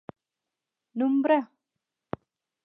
نومبره!